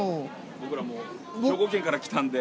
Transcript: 僕ら兵庫県から来たんで。